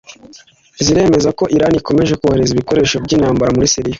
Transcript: ziremeza ko Irani ikomeje kohereza ibikoresho by’intambara muri Syria